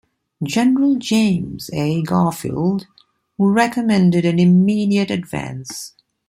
General James A. Garfield, who recommended an immediate advance.